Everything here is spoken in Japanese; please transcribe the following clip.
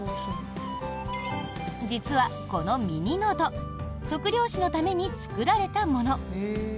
実はこのミニノート測量士のために作られたもの。